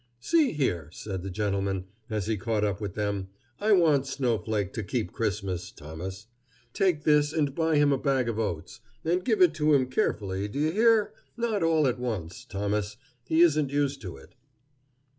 "See here," said the gentleman, as he caught up with them; "I want Snowflake to keep Christmas, Thomas. Take this and buy him a bag of oats. And give it to him carefully, do you hear? not all at once, Thomas. He isn't used to it."